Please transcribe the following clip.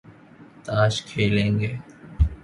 تاش کھیلیں گے